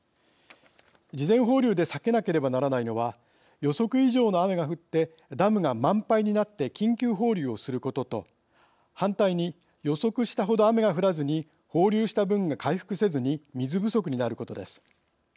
事前放流で避けなければならないのは予測以上の雨が降ってダムが満杯になって緊急放流をすることと反対に予測したほど雨が降らずに放流した分が回復せずに水不足になることです。